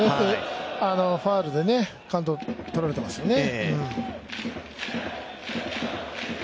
ファウルでカウントとられてますよね。